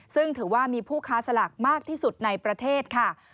ซึ่งถือว่ามีผู้ค้าสลากมากที่สุดในประเทศค่ะ